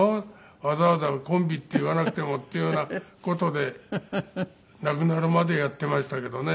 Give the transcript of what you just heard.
わざわざコンビって言わなくてもっていうような事で亡くなるまでやっていましたけどね。